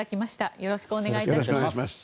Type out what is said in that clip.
よろしくお願いします。